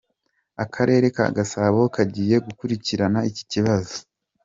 Akarere ka Gasabo kagiye gukurikirana iki kibazo.